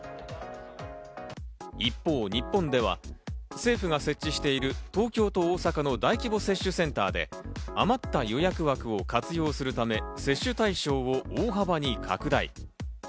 一方、日本では政府が設置している東京と大阪の大規模接種センターで余った予約枠を活用するため、接種対象者を大幅に拡大。